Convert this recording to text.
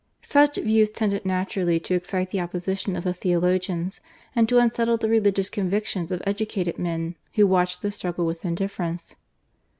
Such views tended naturally to excite the opposition of the Theologians and to unsettle the religious convictions of educated men who watched the struggle with indifference.